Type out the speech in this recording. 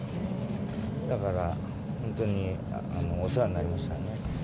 だから本当にお世話になりましたね。